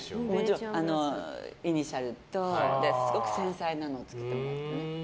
イニシャルとすごく繊細なのを作ってもらって。